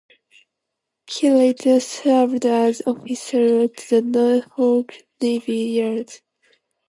He later served as Officer at the Norfolk Navy Yard.